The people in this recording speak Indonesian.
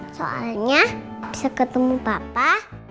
soalnya bisa ketemu papa